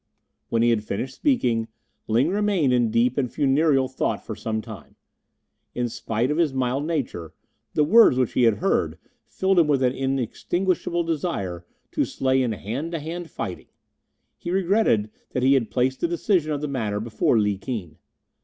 When he had finished speaking, Ling remained in deep and funereal thought for some time. In spite of his mild nature, the words which he had heard filled him with an inextinguishable desire to slay in hand to hand fighting. He regretted that he had placed the decision of the matter before Li Keen.